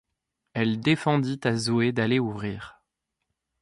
Elle défendit à Zoé d'aller ouvrir.